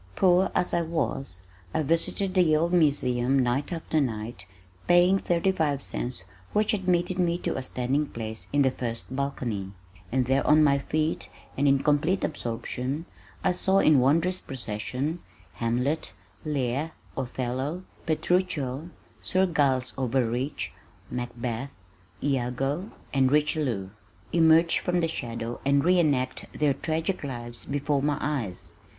Poor as I was, I visited the old Museum night after night, paying thirty five cents which admitted me to a standing place in the first balcony, and there on my feet and in complete absorption, I saw in wondrous procession Hamlet, Lear, Othello, Petruchio, Sir Giles Overreach, Macbeth, Iago, and Richelieu emerge from the shadow and re enact their tragic lives before my eyes.